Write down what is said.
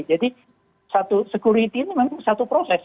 jadi satu security ini memang satu proses